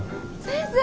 先生。